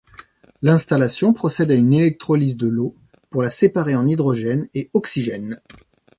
L'installation procède à une électrolyse de l'eau pour la séparer en hydrogène et oxygène.